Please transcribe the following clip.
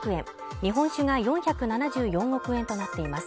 日本酒が４７４億円となっています